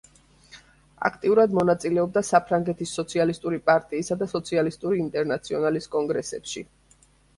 აქტიურად მონაწილეობდა საფრანგეთის სოციალისტური პარტიისა და სოციალისტური ინტერნაციონალის კონგრესებში.